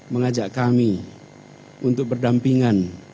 mengajak kami untuk berdampingan